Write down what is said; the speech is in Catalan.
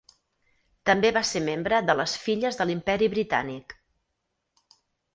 També va ser membre de les Filles de l'Imperi Britànic.